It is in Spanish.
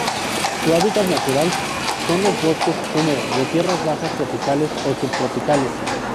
Su hábitat natural son los bosques húmedos de tierras bajas tropicales o subtropicales.